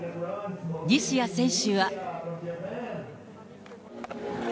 西矢選手は。